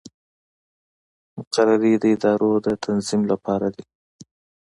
مقررې د ادارو د تنظیم لپاره دي